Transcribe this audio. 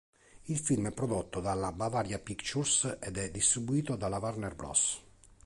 Il film è prodotto dalla Bavaria Pictures ed è distribuito dalla Warner Bros.